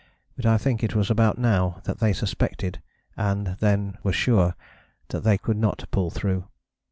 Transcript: But I think it was about now that they suspected, and then were sure, that they could not pull through.